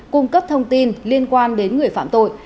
cung cấp thông tin liên quan đến người phạm tội